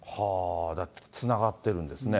つながってるんですね。